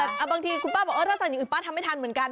แต่บางทีคุณป้าบอกเออถ้าสั่งอย่างอื่นป้าทำไม่ทันเหมือนกัน